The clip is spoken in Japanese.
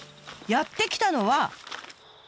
やって来たのは。